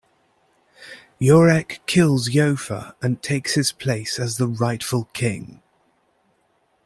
Iorek kills Iofur and takes his place as the rightful king.